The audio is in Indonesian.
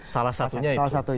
salah satunya itu